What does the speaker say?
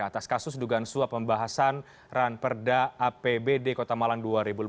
atas kasus dugaan sua pembahasan ran perda apbd kota malang dua ribu lima belas